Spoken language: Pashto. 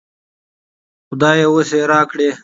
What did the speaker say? خدايه وس راکړې